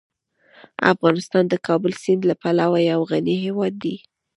افغانستان د کابل سیند له پلوه یو غني هیواد دی.